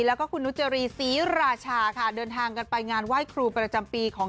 และก็คุณนุฒารีศรีราชาเดินทางกันไปงานว่ายครูประจำปีของ